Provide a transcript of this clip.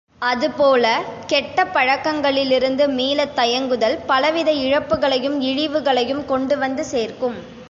அதுபோல, கெட்டப் பழக்கங்களிலிருந்து மீளத் தயங்குதல் பலவித இழப்புகளையும் இழிவுகளையும் கொண்டுவந்து சேர்க்கும்.